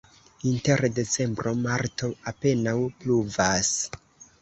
Inter decembro-marto apenaŭ pluvas.